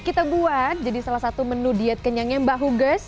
kita buat jadi salah satu menu diet kenyangnya mbak huges